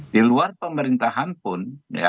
di luar pemerintahan pun